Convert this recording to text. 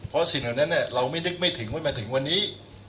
เพราะสิ่งแบบนั้นเราไม่นึกไม่ถึงไม่ถึงวันนี้